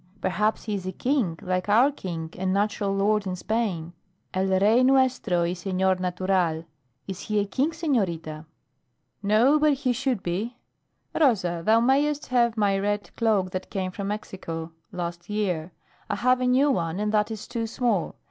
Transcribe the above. Perhaps he is a king, like our King and natural lord in spain. (El rey nuestro y senor natural.) Is he a king, senorita?" "No, but he should be. Rosa, thou mayest have my red cloak that came from Mexico last year. I have a new one and that is too small.